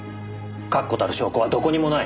確固たる証拠はどこにもない。